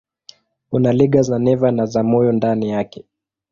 Kuna liga za neva na za moyo ndani yake.